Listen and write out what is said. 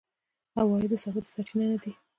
عوایده ثابت سرچینه نه دي.